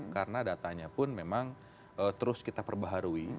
karena datanya pun memang terus kita perbaharui